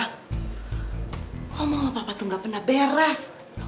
ngomong sama papa tuh gak pernah beres